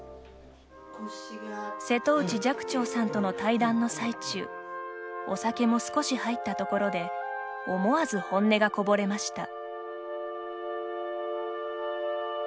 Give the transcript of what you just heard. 瀬戸内寂聴さんとの対談の最中お酒も少し入ったところで思わず本音がこぼれました。